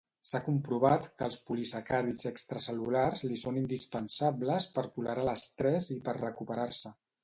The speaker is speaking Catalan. S'ha comprovat que els polisacàrids extracel·lulars li són indispensables per tolerar l'estrès i per recuperar-se.